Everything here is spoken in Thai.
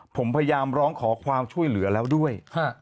ผมพยายามร้องขอความช่วยเหลือแล้วด้วย